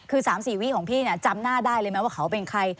คือ๓๔วิของพี่จำหน้าได้เลยไหมว่าเขาเป็นใคร